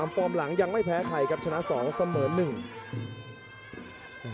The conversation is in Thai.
๓ปอมหลังยังไม่แพ้ใครครับชนะ๒เสมอ๑